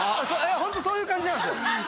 ホントそういう感じなんですよ